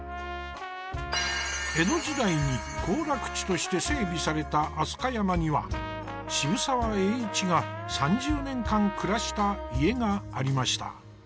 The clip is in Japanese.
江戸時代に行楽地として整備された飛鳥山には渋沢栄一が３０年間暮らした家がありました。